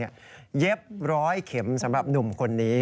เย็บร้อยเข็มสำหรับหนุ่มคนนี้